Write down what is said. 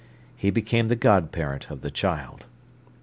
He became the god parent of the child.